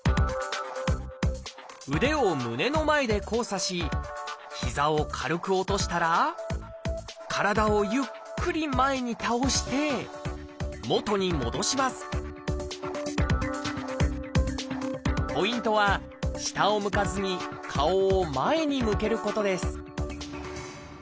腕を胸の前で交差し膝を軽く落としたら体をゆっくり前に倒して元に戻しますポイントは下を向かずに顔を前に向けることです